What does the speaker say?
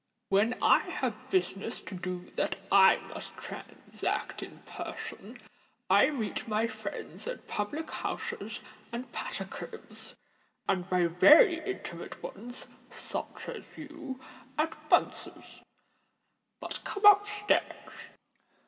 When I have business to do that I must transact in person, I meet my friends at public houses and patter cribs—and my very intimate ones, such as you, at Bunce's. But come up stairs."